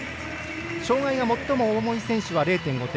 障害が最も重い選手は０．５点。